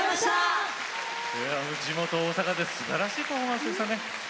地元大阪で、すばらしいパフォーマンスでしたね。